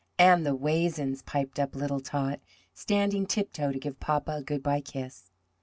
"An' the waisins," piped up little Tot, standing on tiptoe to give papa a good bye kiss.